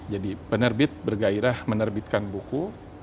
jadi penerbit bergairah menerbitkan buku